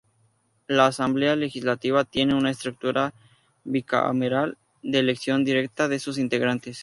La Asamblea Legislativa tiene una estructura bicameral de elección directa de sus integrantes.